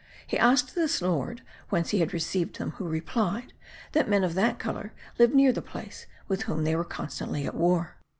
He asked this lord whence he had received them; who replied, that men of that colour lived near the place, with whom they were constantly at war...